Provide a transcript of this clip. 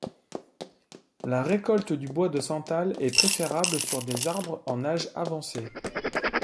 La récolte du bois de santal est préférable sur des arbres en âge avancé.